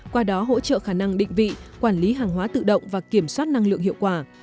qua đó hỗ trợ khả năng định vị quản lý hàng hóa tự động và kiểm soát năng lượng hiệu quả